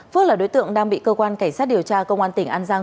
phước là đối tượng đang bị cơ quan cảnh sát điều tra công an tỉnh an giang